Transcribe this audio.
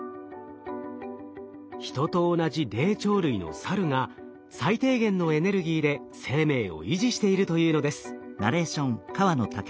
ヒトと同じ霊長類のサルが最低限のエネルギーで生命を維持しているというのです。